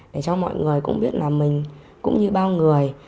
để cho mọi người cũng biết là mình cũng như bao người